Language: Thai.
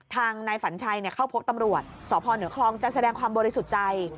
ทางนายฝันชัยเข้าพบตำรวจสพเหนือคลองจะแสดงความบริสุทธิ์ใจ